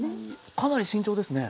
かなり慎重ですね。